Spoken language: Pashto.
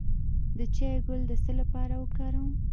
د چای ګل د څه لپاره وکاروم؟